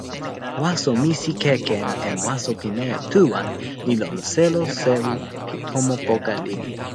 waso Misikeken en waso pimeja tu wan li lon selo sewi pi tomo poka lili.